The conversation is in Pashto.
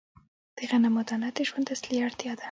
د غنمو دانه د ژوند اصلي اړتیا ده.